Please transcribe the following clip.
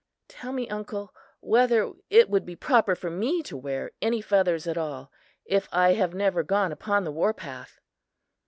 "Tell me, uncle, whether it would be proper for me to wear any feathers at all if I have never gone upon the war path."